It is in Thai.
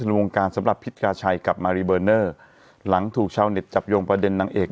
วงการสำหรับพิษกาชัยกับมารีเบอร์เนอร์หลังถูกชาวเน็ตจับโยงประเด็นนางเอก